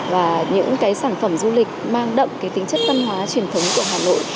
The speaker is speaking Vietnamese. và những sản phẩm du lịch mang đậm tính chất văn hóa truyền thống của hà nội